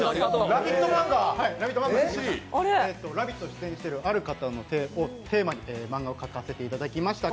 「ラヴィット！」に出演している、ある方をテーマに漫画を描かせていただきました。